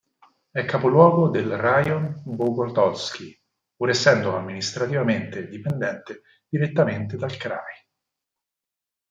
È capoluogo del "rajon" Bogotol'skij, pur essendo amministrativamente dipendente direttamente dal kraj.